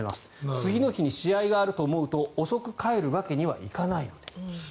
次の日に試合があると思うと遅く帰るわけにはいかないので。